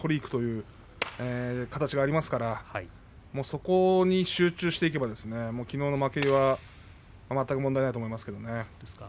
その形がありますからそこに集中していけばきのうの負けは全く問題ないと思いますけれどもね。